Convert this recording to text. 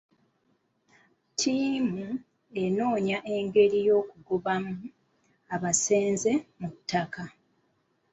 Ttiimu enoonya engeri y'okugobamu abasenze mu mateeka .